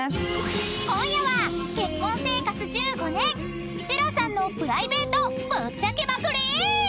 ［今夜は結婚生活１５年寺さんのプライベートぶっちゃけまくり！］